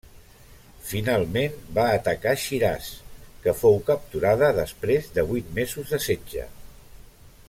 Finalment va atacar Shiraz que fou capturada després de vuit mesos de setge.